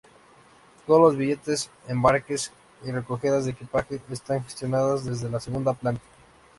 Todos los billetes, embarques, y recogidas de equipajes están gestionados desde la segunda planta.